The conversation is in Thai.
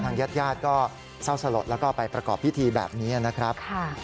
ญาติญาติก็เศร้าสลดแล้วก็ไปประกอบพิธีแบบนี้นะครับ